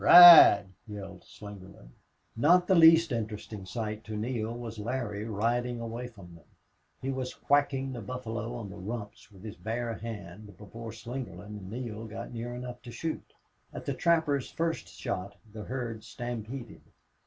"Ride!" yelled Slingerland. Not the least interesting sight to Neale was Larry riding away from them. He was whacking the buffalo on the rumps with his bare hand before Slingerland and Neale got near enough to shoot. At the trapper's first shot the herd stampeded.